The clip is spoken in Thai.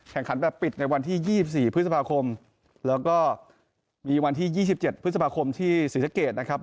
แข่งขันแบบปิดในวันที่๒๔พฤษภาคมแล้วก็มีวันที่๒๗พฤษภาคมที่ศรีสะเกดนะครับ